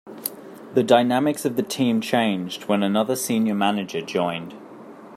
The dynamics of the team changed when another senior manager joined.